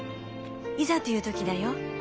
いざという時だよ。